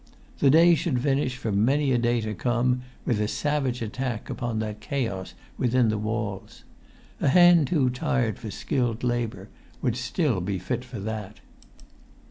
The day should finish, for many a day to come, with a savage attack upon the chaos within the walls. A hand too tired for skilled labour would still be fit for that.